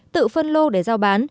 tự phân lô để giao bán